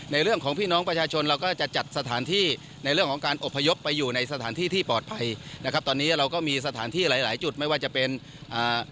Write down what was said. เรื่องของพี่น้องประชาชนเราก็จะจัดสถานที่ในเรื่องของการอบพยพไปอยู่ในสถานที่ที่ปลอดภัยนะครับตอนนี้เราก็มีสถานที่หลายหลายจุดไม่ว่าจะเป็นอ่า